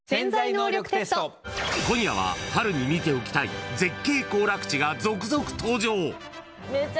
今夜は春に見ておきたい絶景行楽地が続々登場。